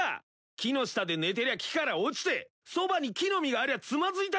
木の下で寝てりゃ木から落ちてそばに木の実がありゃつまずいたって思うのか？